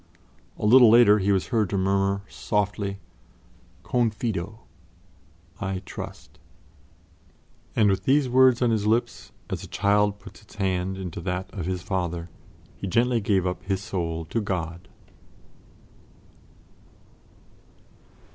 A little later he was heard to murmur softly, "Confido" "I trust"; and with these words on his lips, as a child puts its hand into that of his Father, he gently gave up his soul to God.